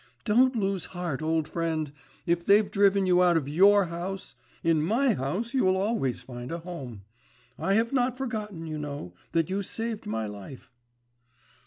Don't lose heart, old friend! If they've driven you out of your house, in my house you will always find a home.… I have not forgotten, you know, that you saved my life.